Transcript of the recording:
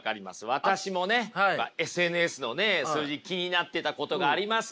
私もねＳＮＳのね数字気になってたことがありますからね。